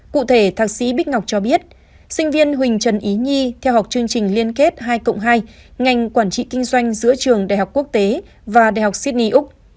cụ thể thạc sĩ bích ngọc cho biết sinh viên huỳnh trần ý nhi theo học chương trình liên kết hai ngành quản trị kinh doanh giữa trường đại học quốc tế và đại học sydney úc